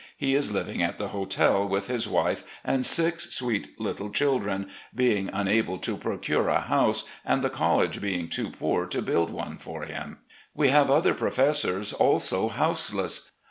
He is living at the hotel with his wife and six sweet little children, being unable to procure a house, and the college being too poor to build one for him. We have other professors also houseless.